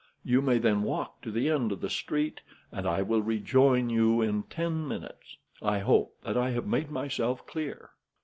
You may then walk to the end of the street, and I will rejoin you in ten minutes. I hope that I have made myself clear?"